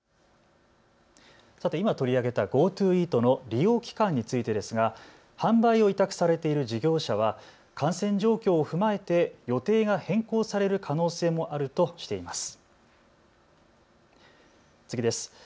さて今、取り上げたＧｏＴｏイートの利用期間についてですが、販売を委託されている事業者は感染状況を踏まえて予定が変更される可能性もあるとしています。